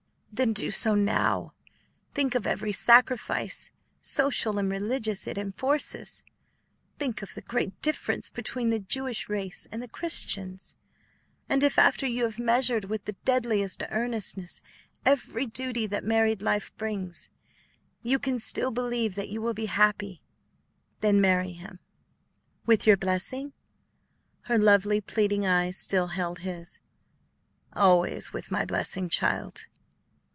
"Then do so now: think of every sacrifice, social and religious, it enforces; think of the great difference between the Jewish race and the Christians; and if, after you have measured with the deadliest earnestness every duty that married life brings, you can still believe that you will be happy, then marry him." "With your blessing?" Her lovely, pleading eyes still held his. "Always with my blessing, child.